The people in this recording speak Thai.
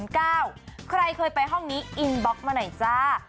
ใครเคยไปห้องนี้อินบล็อกมาหน่อยจ้า